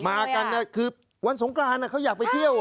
มากันคือวันสงกรานเขาอยากไปเที่ยว